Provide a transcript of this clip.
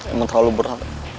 emang terlalu berat